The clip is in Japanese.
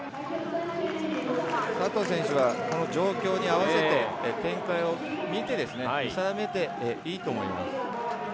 佐藤選手は状況に合わせて展開を見定めていいと思います。